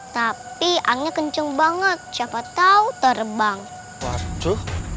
tapi angin kenceng banget siapa tahu terbang waktu